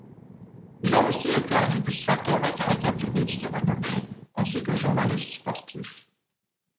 Il a aussi été un illustrateur et caricaturiste renommé, ainsi que journaliste sportif.